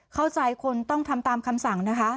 เข้าใจคนต้องทำตามคำสั่งนะคะ